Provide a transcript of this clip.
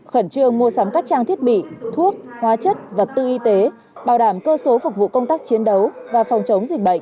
khẩn trương mua sắm các trang thiết bị thuốc hóa chất vật tư y tế bảo đảm cơ số phục vụ công tác chiến đấu và phòng chống dịch bệnh